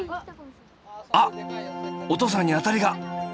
あっお父さんにアタリが！